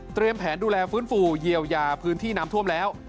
แผนดูแลฟื้นฟูเยียวยาพื้นที่น้ำท่วมแล้ว